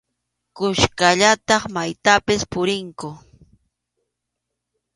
Kuskallataq maytapas purinku.